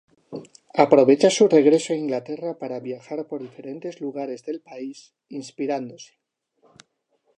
Aprovecha su regreso a Inglaterra para viajar por diferentes lugares del país inspirándose.